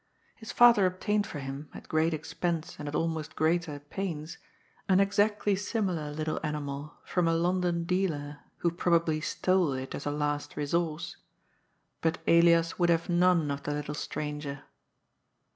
His father obtained for him — at great expense and at almost greater pains — an exactly similar little animal from a London dealer who probably stole it as a last resource — but Elias would have none of the little stranger.